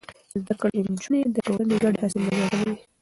زده کړې نجونې د ټولنې ګډې هڅې منظموي.